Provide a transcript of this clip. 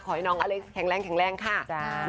ขอให้น้องอเล็กซ์แข็งแรงค่ะ